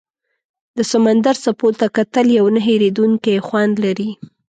د سمندر څپو ته کتل یو نه هېریدونکی خوند لري.